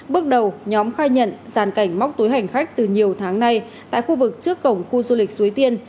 bước đầu nhóm khai nhận giàn cảnh móc túi hành khách từ nhiều tháng nay tại khu vực trước cổng khu du lịch suối tiên